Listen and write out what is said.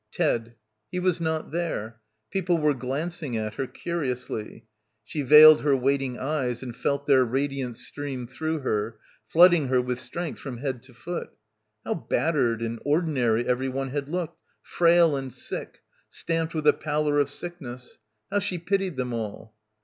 Ted. He was not there. People were glancing at her, curiously. She veiled her waiting eyes and felt their radiance stream through her, flooding her — 66 — BACKWATER with strength from head to foot. How battered and ordinary everyone had looked, frail and sick, stamped with a pallor of sickness. How she pitied them all.